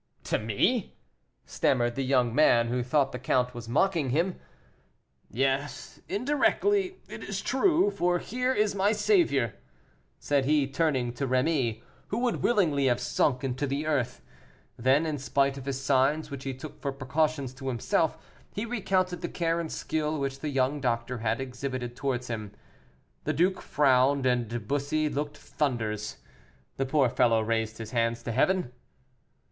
"To me!" stammered the young man, who thought the count was mocking him. "Yes, indirectly, it is true, for here is my saviour," said he, turning to Rémy, who would willingly have sunk into the earth. Then, in spite of his signs, which he took for precautions to himself, he recounted the care and skill which the young doctor had exhibited towards him. The duke frowned, and Bussy looked thunders. The poor fellow raised his hands to heaven.